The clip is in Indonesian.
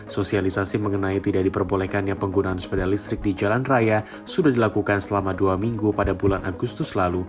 sosialisasi mengenai tidak diperbolehkannya penggunaan sepeda listrik di jalan raya sudah dilakukan selama dua minggu pada bulan agustus lalu